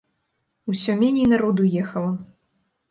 Усё меней народу ехала.